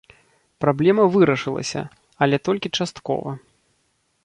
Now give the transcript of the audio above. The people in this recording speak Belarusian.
Праблема вырашылася, але толькі часткова.